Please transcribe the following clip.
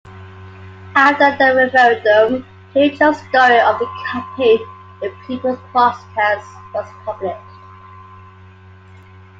After the referendum, Kerry Jones's story of the campaign, "The People's Protest", was published.